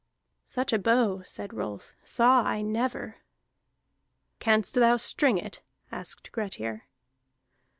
"Such a bow," said Rolf, "saw I never." "Canst thou string it?" asked Grettir.